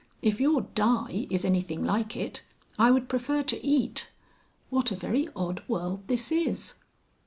If your 'Die' is anything like it, I would prefer to Eat. What a very odd world this is!"